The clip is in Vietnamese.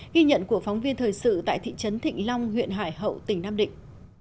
ghi nhận của phóng viên thời sự tại thị trấn thịnh long huyện hải hậu tỉnh nam định